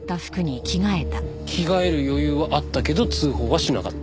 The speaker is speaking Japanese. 着替える余裕はあったけど通報はしなかった。